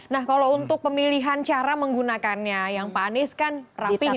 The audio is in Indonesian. nah kalau untuk pemilihan cara menggunakannya yang pak anies kan rapi juga